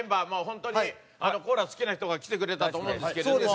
もう本当にコーラ好きな人が来てくれたと思うんですけれども。